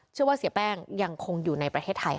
เชื่อว่าเสียแป้งยังคงอยู่ในประเทศไทยค่ะ